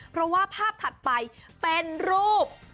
เพราะว่าภาพถัดไปเป็นรูป